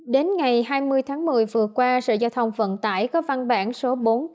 đến ngày hai mươi tháng một mươi vừa qua sở giao thông vận tải có văn bản số bốn nghìn tám trăm một mươi sáu